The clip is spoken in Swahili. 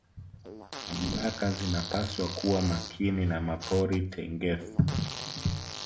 mamlaka zinapaswa kuwa Makini na mapori tengefu